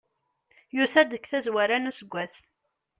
Yusa-d deg tazwara n useggas.